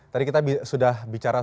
tadi kita sudah bicarakan